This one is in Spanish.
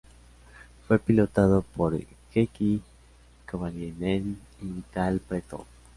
Fue pilotado por Heikki Kovalainen y Vitaly Petrov.